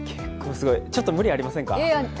ちょっと無理ありませんか？